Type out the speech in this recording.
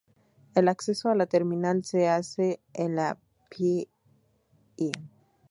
El acceso a la terminal se hace en la Pl.